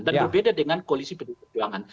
dan berbeda dengan koalisi pdi perjuangan